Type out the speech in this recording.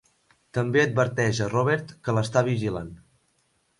També adverteix a Robert que l'està vigilant.